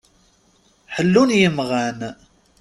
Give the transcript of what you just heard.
Ḥellun yimɣan.